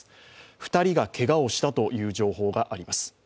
２人がけがをしたという情報があります。